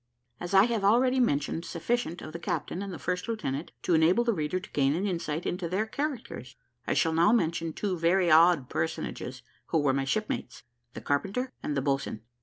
As I have already mentioned sufficient of the captain and the first lieutenant to enable the reader to gain an insight into their characters, I shall now mention two very odd personages who were my shipmates, the carpenter and the boatswain.